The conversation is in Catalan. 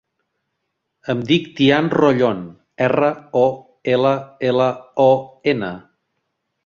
Em dic Tian Rollon: erra, o, ela, ela, o, ena.